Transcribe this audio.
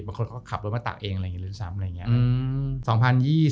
บางคนเขาก็ขับรถมาตักเองอะไรอย่างนี้ลืมซ้ำ